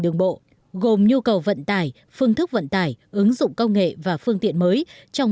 đường bộ gồm nhu cầu vận tải phương thức vận tải ứng dụng công nghệ và phương tiện mới trong